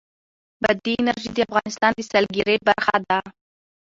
بادي انرژي د افغانستان د سیلګرۍ برخه ده.